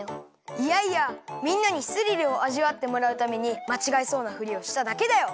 いやいやみんなにスリルをあじわってもらうためにまちがえそうなふりをしただけだよ！